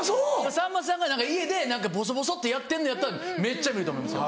さんまさんが家で何かボソボソってやってんのやったらめっちゃ見ると思いますよ。